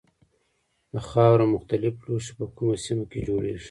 د خاورو مختلف لوښي په کومه سیمه کې جوړیږي.